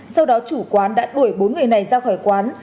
sau đó chủ quán đã đuổi bốn người này ra khỏi quán